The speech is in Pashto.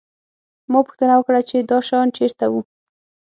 ما پوښتنه وکړه چې دا شیان چېرته وو